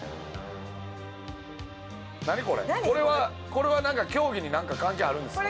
これはなんか競技に関係あるんですか？